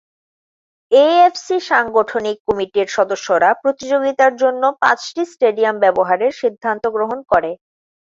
AFC সাংগঠনিক কমিটির সদস্যরা প্রতিযোগিতার জন্য পাঁচটি স্টেডিয়াম ব্যবহারের সিদ্ধান্ত গ্রহণ করে।